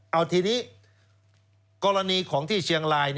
เอาทีนี้กรณีของที่เชียงราย